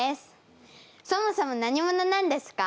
そもそも何者なんですか？